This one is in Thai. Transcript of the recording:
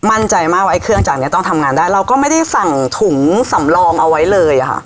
มั่นใจมากว่าไอเครื่องจากนี้ต้องทำงานได้เราก็ไม่ได้สั่งถุงสำรองเอาไว้เลยอะค่ะ